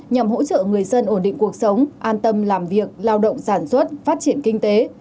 nhằm hỗ trợ người dân ổn định cuộc sống an tâm làm việc lao động sản xuất phát triển kinh tế